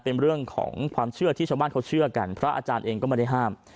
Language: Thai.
เป็นเรื่องของความเชื่อที่ชาวบ้านเขาเชื่อกันพระอาจารย์เองก็ไม่ได้ห้าม